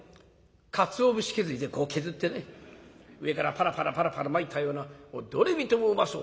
かつお節削りでこう削ってね上からパラパラパラパラまいたようなどれ見てもうまそう。